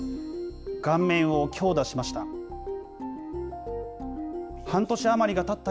顔面を強打しました。